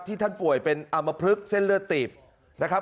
ท่านป่วยเป็นอามพลึกเส้นเลือดตีบนะครับ